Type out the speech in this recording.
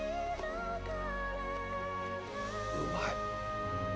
うまい。